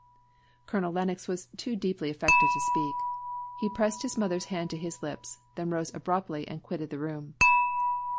Colonel Lennox was too deeply affected to speak. He pressed his mother's hand to his lips then rose abruptly, and quitted the room.